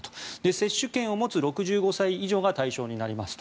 接種券を持つ６５歳以上が対象になりますと。